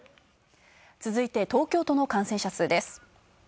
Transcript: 続いて、東京都の感染者数です。